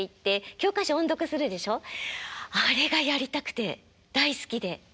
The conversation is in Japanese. ありがやりたくて大好きで。